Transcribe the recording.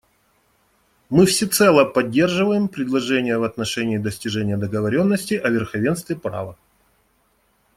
Мы всецело поддерживаем предложение в отношении достижения договоренности о верховенстве права.